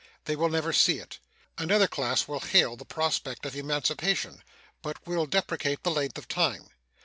They will never see it. Another class will hail the prospect of emancipation, but will deprecate the length of time.